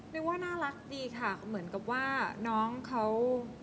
เรียกว่าน่ารักดีค่ะเหมือนกับว่าน้องเขา